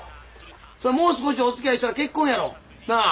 それもう少しおつきあいしたら結婚やろ。なあ？